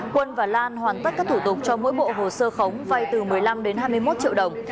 quân và lan hoàn tất các thủ tục cho mỗi bộ hồ sơ khống vay từ một mươi năm đến hai mươi một triệu đồng